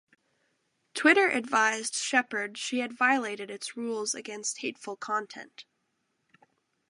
Twitter advised Shepherd she had violated its rules against hateful content.